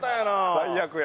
最悪や。